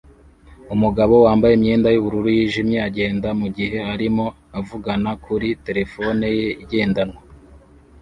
Umugabo wambaye imyenda yubururu yijimye agenda mugihe arimo avugana kuri terefone ye igendanwa